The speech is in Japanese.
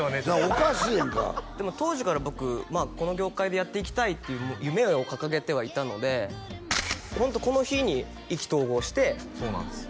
おかしいやんか当時から僕この業界でやっていきたいっていう夢を掲げてはいたのでホントこの日に意気投合してそうなんですよ